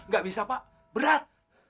gak bisa pak berat